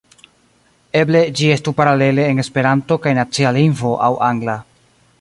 Eble ĝi estu paralele en Esperanto kaj nacia lingvo aŭ angla.